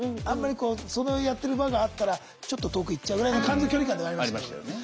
あんまりそれをやってる場があったらちょっと遠く行っちゃうぐらいの感じの距離感ではありましたけど。